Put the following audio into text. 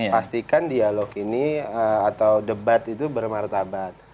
pastikan dialog ini atau debat itu bermartabat